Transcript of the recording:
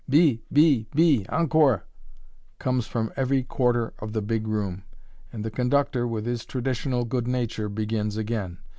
"Bis! Bis! Bis! Encore!" comes from every quarter of the big room, and the conductor, with his traditional good nature, begins again.